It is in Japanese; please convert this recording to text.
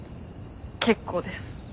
結構です。